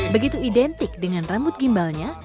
begitu identik dengan rambut gimbalnya